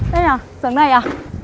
đây à xưởng này à